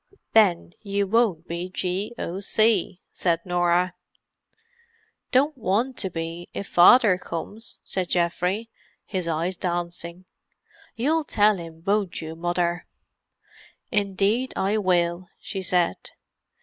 "Then you won't be G.O.C.," said Norah. "Don't want to be, if Father comes," said Geoffrey, his eyes dancing. "You'll tell him, won't you, Mother?" "Indeed I will," she said.